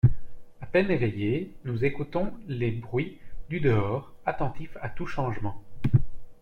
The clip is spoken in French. À peine éveillés, nous écoutons les bruits du dehors, attentifs à tout changement.